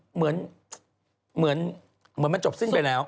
เหมือนมันจบสิ้นไปแล้ว